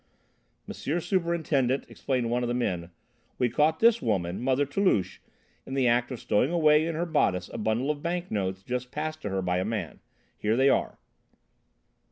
"M. Superintendent," explained one of the men, "we caught this woman, Mother Toulouche in the act of stowing away in her bodice a bundle of bank notes just passed to her by a man. Here they are."